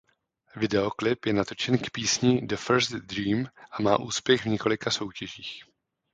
Videoklip je natočen k písni The First Dream a má úspěch v několika soutěžích.